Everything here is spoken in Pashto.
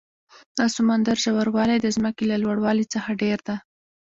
د سمندر ژور والی د ځمکې له لوړ والي څخه ډېر ده.